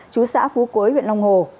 chú xã phú quế huyện long hồ